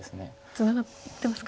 ツナがってます。